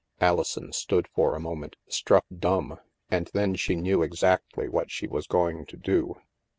Alison stood for a moment, struck dumb, and then she knew exactly what she was going to do.